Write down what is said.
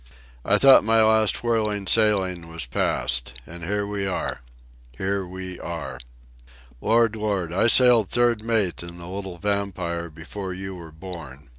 "I thought my last whirling sailing was past. And here we are! Here we are! "Lord! Lord! I sailed third mate in the little Vampire before you were born.